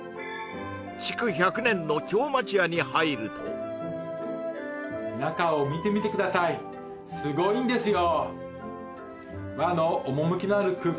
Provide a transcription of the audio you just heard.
築１００年の中を見てみてくださいすごいんですよ